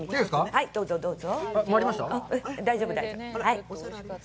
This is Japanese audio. はい、どうぞどうぞ。